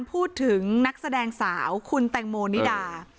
พูดถึงนักแสดงสาวคุณแตงโมนิดา